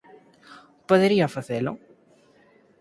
Podería facelo".